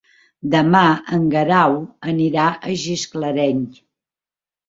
Demà en Guerau anirà a Gisclareny.